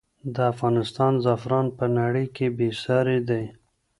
د افغانستان زعفران په نړۍ کې بې ساری دی.